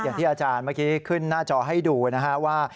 อย่างที่อาจารย์เมื่อกี้ขึ้นหน้าจอให้ดูนะฮะว่า